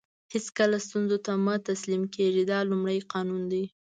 هیڅکله ستونزو ته مه تسلیم کېږئ دا لومړی قانون دی.